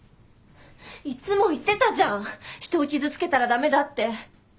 いっつも言ってたじゃん人を傷つけたらダメだって。